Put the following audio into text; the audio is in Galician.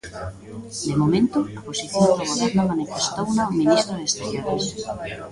De momento, a posición do Goberno manifestouna o ministro de Exteriores.